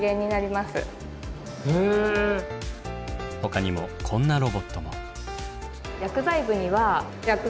ほかにもこんなロボットも。